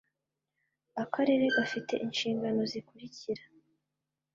akarere gafite inshingano zikurikira